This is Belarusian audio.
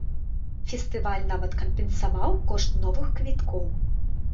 Фестываль нават кампенсаваў кошт новых квіткоў.